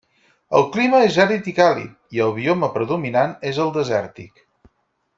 El clima és àrid i càlid, i el bioma predominant és el desèrtic.